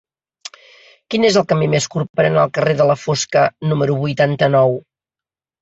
Quin és el camí més curt per anar al carrer de la Fosca número vuitanta-nou?